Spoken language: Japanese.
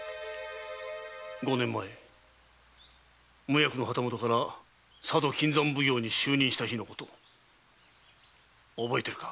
五年前無役の旗本から佐渡金山奉行に就任した日のこと覚えてるか？